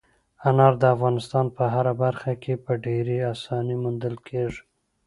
انار د افغانستان په هره برخه کې په ډېرې اسانۍ موندل کېږي.